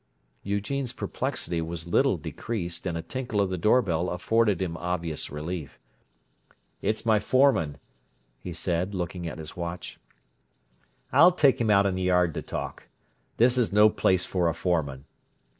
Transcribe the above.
Eugene's perplexity was little decreased, and a tinkle of the door bell afforded him obvious relief. "It's my foreman," he said, looking at his watch. "I'll take him out in the yard to talk. This is no place for a foreman."